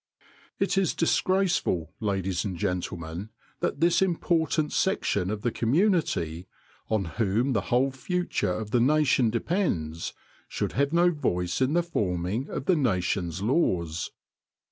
It is disgraceful, ladies and gentlemen, that this important section of the community, on whom the whole future of the nation depends, should have no voice in the form ing of the nation's laws